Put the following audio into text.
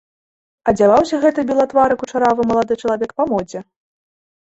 Адзяваўся гэты белатвары кучаравы малады чалавек па модзе.